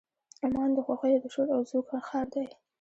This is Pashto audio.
عمان د خوښیو د شور او زوږ ښار دی.